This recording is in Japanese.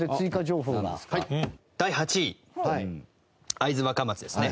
第８位会津若松ですね。